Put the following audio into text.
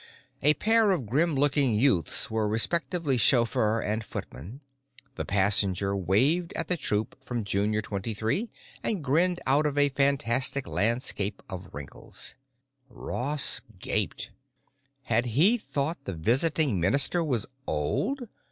A pair of grimlooking youths were respectively chauffeur and footman; the passenger waved at the troop from Junior Twenty Three and grinned out of a fantastic landscape of wrinkles. Ross gaped. Had he thought the visiting minister was old?